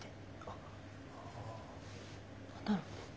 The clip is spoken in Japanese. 何だろうね？